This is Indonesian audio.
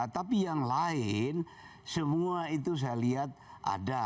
tapi yang lain semua itu saya lihat ada